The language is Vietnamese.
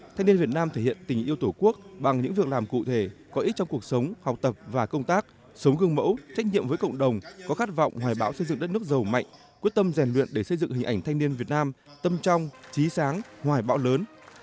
thanh niên việt nam thể hiện tình yêu tổ quốc bằng những việc làm cụ thể có ích trong cuộc sống học tập và công tác sống gương mẫu trách nhiệm với cộng đồng có khát vọng hoài bão xây dựng đất nước giàu mạnh quyết tâm rèn luyện để xây dựng hình ảnh thanh niên việt nam tâm trong trí sáng hoài bão lớn